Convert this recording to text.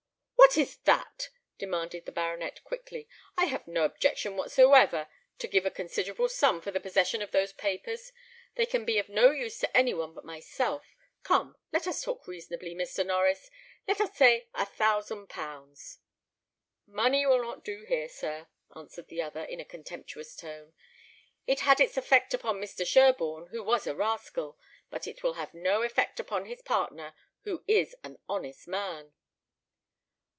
"What is that?" demanded the baronet, quickly; "I have no objection whatsoever to give a considerable sum for the possession of those papers. They can be of no use to any one but myself. Come, let us talk reasonably, Mr. Norries let us say a thousand pounds." "Money will not do, here, sir," answered the other, in a contemptuous tone; "it had its effect upon Mr. Sherborne, who was a rascal; but it will have no effect upon his partner, who is an honest man."